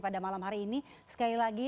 pada malam hari ini sekali lagi